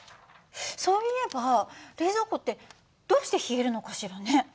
そういえば冷蔵庫ってどうして冷えるのかしらね？